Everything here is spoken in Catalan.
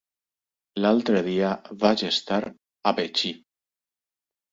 L'altre dia vaig estar a Betxí.